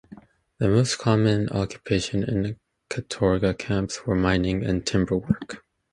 The most common occupations in katorga camps were mining and timber work.